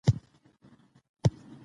جواهرات د افغانانو ژوند اغېزمن کوي.